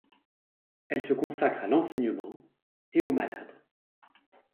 Elles se consacrent à l'enseignement et aux malades.